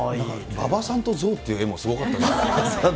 馬場さんとゾウっていう絵もすごかったですね。